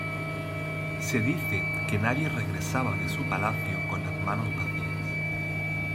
Se dice que nadie regresaba de su palacio con las manos vacías.